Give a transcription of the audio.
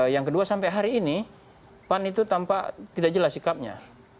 yang kedua sampai hari ini pan itu tampak tidak jelas sikapnya